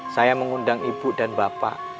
saya mengundang ibu dan bapak